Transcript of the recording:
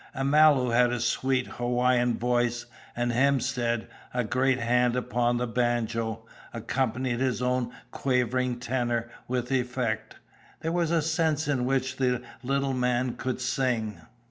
Amalu had a sweet Hawaiian voice; and Hemstead, a great hand upon the banjo, accompanied his own quavering tenor with effect. There was a sense in which the little man could sing.